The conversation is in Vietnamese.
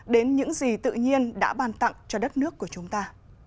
đến những gì tự nhiên đã bàn tặng cho đất nước của chúng ta